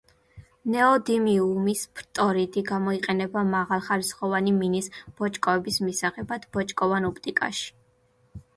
ნეოდიმიუმის ფტორიდი გამოიყენება მაღალხარისხოვანი მინის ბოჭკოების მისაღებად, ბოჭკოვან ოპტიკაში.